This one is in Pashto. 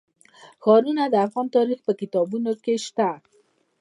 ښارونه د افغان تاریخ په کتابونو کې شته.